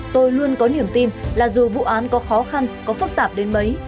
tôi luôn có niềm tin là dù vụ án có khó khăn có phức tạp đến mấy